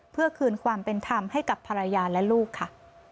เพื่อคืนความเป็นธรรมให้กับภรรยาและลูกค่ะ